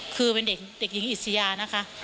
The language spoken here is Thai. คือเป็นเด็กหญิงอิสยานะคะ